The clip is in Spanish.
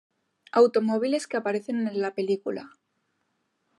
Automóviles que aparecen en la película.